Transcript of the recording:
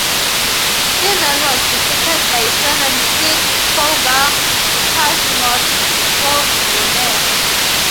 He then was defeated by seventh seed Holger Vitus Nodskov Rune.